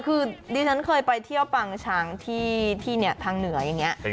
คือดิฉันเคยไปเที่ยวปางช้างที่เนี่ยทางเหนืออย่างนี้